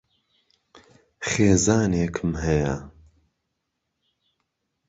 خێزانێکم ھەیە.